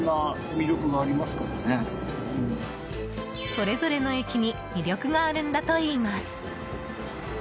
それぞれの駅に魅力があるんだといいます。